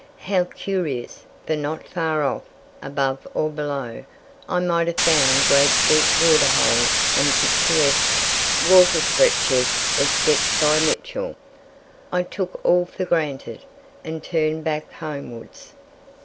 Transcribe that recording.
How curious! for not far off, above or below, I might have found great deep waterholes and picturesque water stretches as sketched by Mitchell. I took all for granted, and turned back homewards.